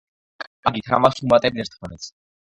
კარგით, ამას ვუმატებთ ერთმანეთს.